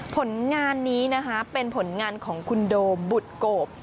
ผลงานนี้นะคะเป็นผลงานของคุณโดมบุตรโกบ